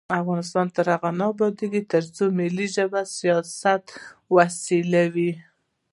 افغانستان تر هغو نه ابادیږي، ترڅو ملي ژبې د سیاست وسیله وي.